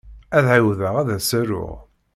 Ad ɛawdeɣ ad as-aruɣ.